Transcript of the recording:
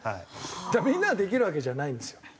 だからみんなができるわけじゃないんですよ。